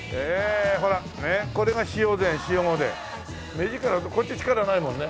目力こっち力ないもんね。